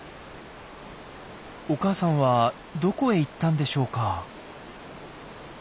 お母さんはどこへ行ったんでしょうか？